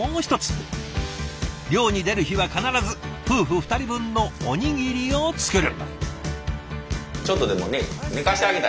漁に出る日は必ず夫婦二人分のおにぎりを作る。